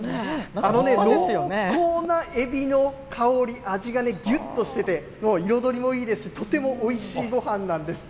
濃厚なエビの香り、味がぎゅっとしてて、彩りもいいですし、とてもおいしいごはんなんです。